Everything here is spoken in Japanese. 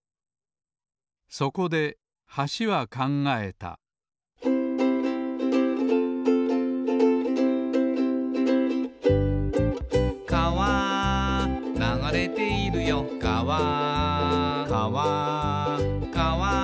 そこで橋は考えた「かわ流れているよかわ」